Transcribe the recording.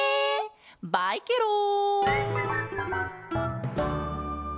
バイケロン！